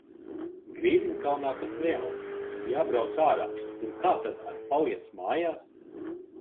Grīziņkalnā tas neaug, jābrauc ārā - un kā tad ar paliec mājās?